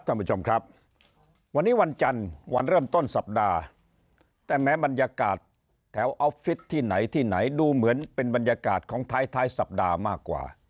ท่านผู้ชมครับวันนี้วันจันทร์วันเริ่มต้นสัปดาห์แต่แม้บรรยากาศแถวออฟฟิศที่ไหนที่ไหนดูเหมือนเป็นบรรยากาศของท้ายท้ายสัปดาห์มากกว่า